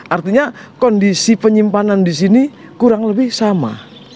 artinya kondisi penyimpanan di sini kurang lebih sama